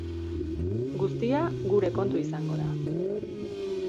Guztia, gure kontu izango da.